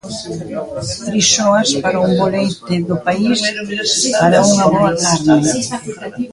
Frisoas para un bo leite, do país para unha boa carne.